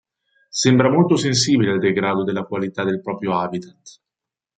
Sembra molto sensibile al degrado della qualità del proprio habitat.